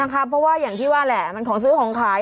เพราะว่าอย่างที่ว่าแหละมันของซื้อของขาย